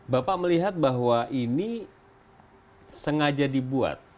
bapak melihat bahwa ini sengaja dibuat